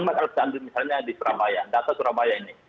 misalnya di surabaya data surabaya ini